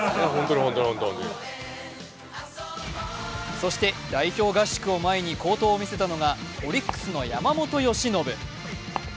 そして、代表合宿を前に好投を見せたのがオリックスの山本由伸。